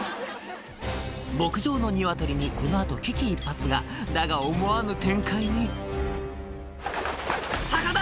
牧場のニワトリにこの後危機一髪がだが思わぬ展開にタカだ！